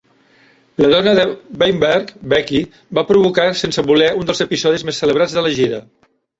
La dona de Weinberg, Becky, va provocar sense voler un dels episodis més celebrats de la gira.